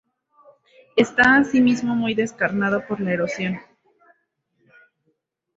Está asimismo muy descarnada por la erosión.